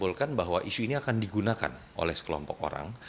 saya tidak akan menang bahwa isu ini akan digunakan oleh sekelompok orang